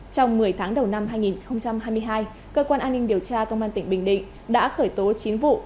trong một mươi tháng đầu năm hai nghìn hai mươi hai cơ quan an ninh điều tra công an tỉnh bình định đã khởi tố chín vụ